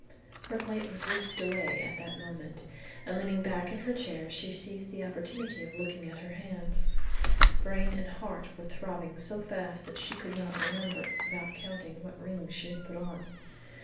Her plate was whisked away at that moment, and leaning back in her chair she seized the opportunity of looking at her hands. Brain and heart were throbbing so fast that she could not remember, without counting, what rings she had put on.